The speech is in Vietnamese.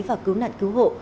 và cứu nạn cứu hộ